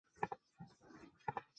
卒年八十一。